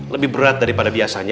lebih berat daripada biasanya